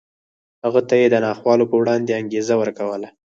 هغه ته یې د ناخوالو په وړاندې انګېزه ورکوله